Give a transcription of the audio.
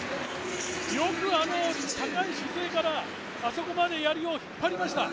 よくあの高い姿勢からあそこまでやりを引っ張りました。